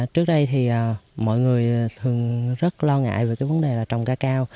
trước đây thì mọi người thường rất lo ngại về cái vấn đề là trồng ca cao